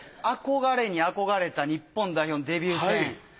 憧れに憧れた日本代表のデビュー戦。